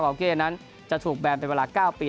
เก้นั้นจะถูกแบนเป็นเวลา๙ปี